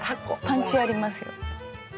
パンチありますよ。